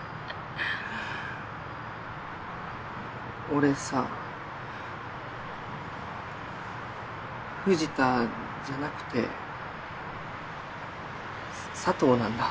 俺さ藤田じゃなくて佐藤なんだ。